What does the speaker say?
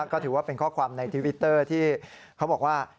ก็ถือว่าเป็นข้อความในทวิตเตอร์ที่เขาบอกว่า